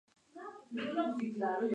Actualmente milita en el VfL Bochum.